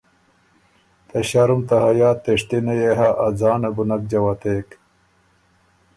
ته ݭرُم ته حیا تېشتِنه يې هۀ ا ځانه بو نک جوتېک